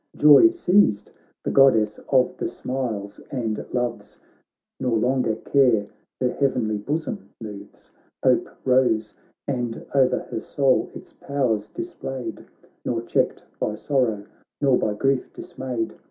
Joy seized the Goddess of the smiles and loves, Nor longer care her heavenly bosom moves ; Hope rose, and o'er her soul its powers displayed, Nor checked by sorrow, nor by grief dismayed.